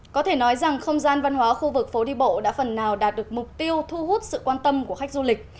có thể nói rằng không gian văn hóa khu vực phố đi bộ đã phần nào đạt được mục tiêu thu hút sự quan tâm của khách du lịch